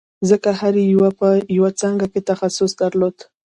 ځکه هر یوه په یوه څانګه کې تخصص درلود